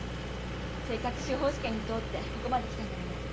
せっかく司法試験に通ってここまできたんだもの